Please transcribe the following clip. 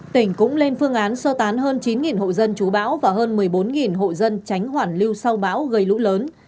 tỉnh cũng lên phương án sơ tán hơn chín hộ dân chú bão và hơn một mươi bốn hộ dân tránh hoàn lưu sau bão gây lũ lớn